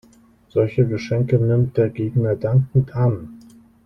Solche Geschenke nimmt der Gegner dankend an.